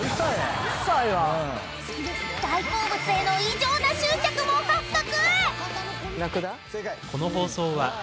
［大好物への異常な執着も発覚！］